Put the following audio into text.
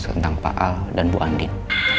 tentang pak al dan bu andi